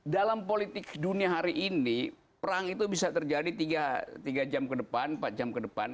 dalam politik dunia hari ini perang itu bisa terjadi tiga jam ke depan empat jam ke depan